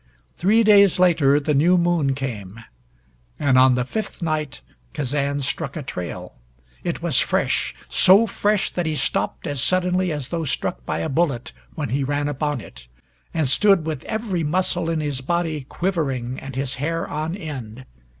Three days later the new moon came. And on the fifth night Kazan struck a trail. It was fresh so fresh that he stopped as suddenly as though struck by a bullet when he ran upon it, and stood with every muscle in his body quivering, and his hair on end.